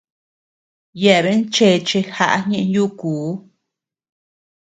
Yeaben chéche jaʼa ñee yuku.